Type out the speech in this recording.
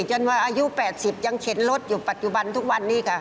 จนว่าอายุ๘๐ยังเข็นรถอยู่ปัจจุบันทุกวันนี้ค่ะ